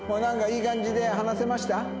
なんかいい感じで話せました？